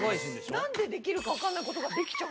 何でできるか分かんないことができちゃう。